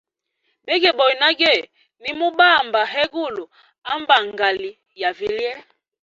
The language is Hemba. Begeboya nage, nimubanda hegulu, ha mbangali ya vilye.